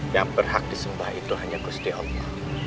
yang berhak disembah itu hanya gusdi allah